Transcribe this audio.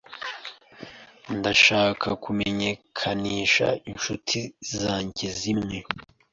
Ndashaka kumenyekanisha inshuti zanjye zimwe